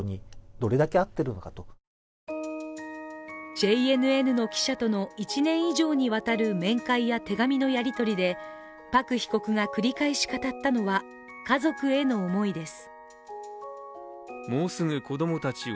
ＪＮＮの記者との１年以上にわたる面会や手紙のやり取りで、パク被告が繰り返し語ったのは家族への思いです。